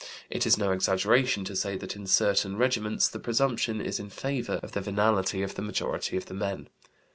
It is no exaggeration to say that in certain regiments the presumption is in favor of the venality of the majority of the men."